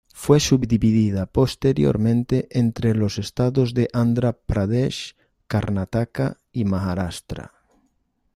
Fue subdividida posteriormente entre los estados de Andhra Pradesh, Karnataka y Maharastra.